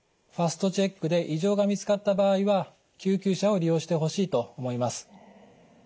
ＦＡＳＴチェックで異常が見つかった場合は救急車を利用してほしいと思います。